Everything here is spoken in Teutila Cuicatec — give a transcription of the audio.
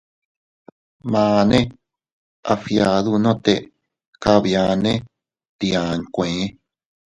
Maane a fgiadunote kabiane tia nkue.